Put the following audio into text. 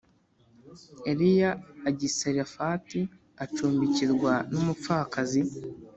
Eliya ajya i Sarefati, acumbikirwa n’umupfakazi